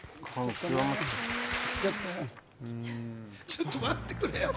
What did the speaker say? ちょっと待ってくれよ！